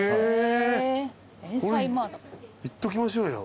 これいっときましょうよ。